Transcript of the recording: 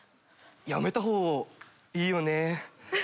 やめたほうがいいよね。